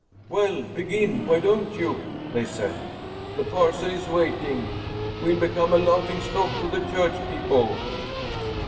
"Well, begin, why don't you?" they said. "The parson is waiting. We'll become a laughing stock to the church people."